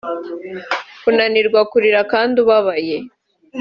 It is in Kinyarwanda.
kunanirwa kurira kandi ubabaye cyane